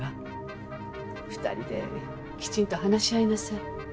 ２人できちんと話し合いなさい。